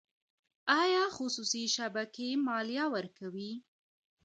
آیا خصوصي شبکې مالیه ورکوي؟